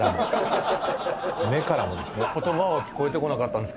目からもですね。